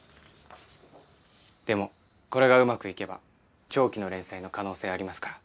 でもこれがうまくいけば長期の連載の可能性ありますから。